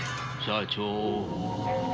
社長。